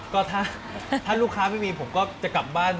ก็ถ้าลูกค้าไม่มีผมก็จะกลับบ้าน